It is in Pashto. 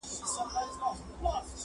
• تور باڼۀ وروځې او زلفې خال او زخه ..